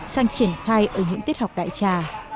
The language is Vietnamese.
sang triển khai ở những tiết học đại trà